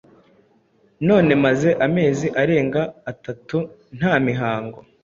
none maze amezi arenga atatu nta mihango.